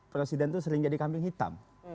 presiden itu sering jadi kambing hitam